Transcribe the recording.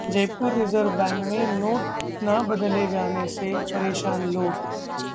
Jaipur reserve bank में note ना बदले जाने से परेशान लोग